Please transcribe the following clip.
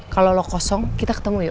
kalo lo kosong kita ketemu yuk